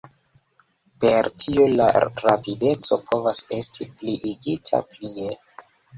Per tio la rapideco povas esti pliigita plie.